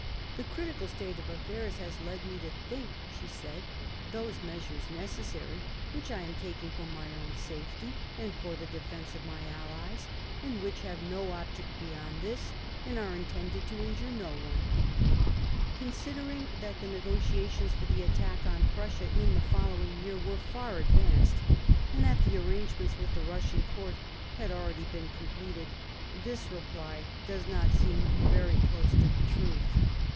"The critical state of affairs has led me to think, " she said, "those measures necessary which I am taking for my own safety and for the defence of my allies, and which have no object beyond this, and are intended to injure no one." Considering that the negotiations for the attack on Prussia in the following year were far advanced, and that the arrangements with the Eussian court had already been completed, this reply does not seem very close to the truth.